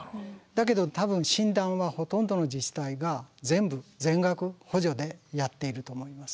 だけど多分診断はほとんどの自治体が全部全額補助でやっていると思います。